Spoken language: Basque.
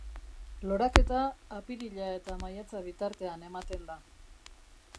Loraketa apirila eta maiatza bitartean ematen da.